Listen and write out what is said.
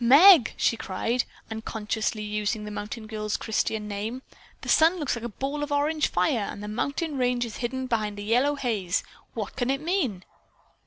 "Meg!" she cried, unconsciously using the mountain girl's Christian name, "the sun looks like a ball of orange fire and the mountain range is being hidden by a yellow haze. What can it mean?"